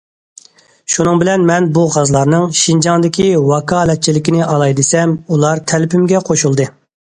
شۇنىڭ بىلەن مەن بۇ غازلارنىڭ شىنجاڭدىكى ۋاكالەتچىلىكىنى ئالاي دېسەم، ئۇلار تەلىپىمگە قوشۇلدى.